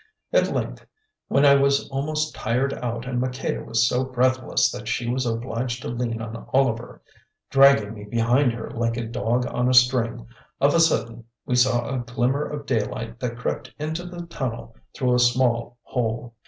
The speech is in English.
At length, when I was almost tired out and Maqueda was so breathless that she was obliged to lean on Oliver, dragging me behind her like a dog on a string, of a sudden we saw a glimmer of daylight that crept into the tunnel through a small hole.